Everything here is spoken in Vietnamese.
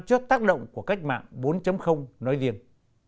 trước tác động của cách mạng bốn nói riêng